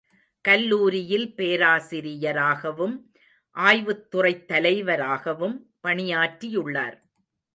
கல்லூரியில் பேராசிரிய ராகவும், ஆய்வுத்துறைத் தலைவராகவும் பணியாற்றியுள்ளார்.